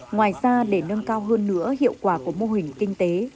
ngoài ra để nâng cao hơn nữa hiệu quả của mô hình kinh tế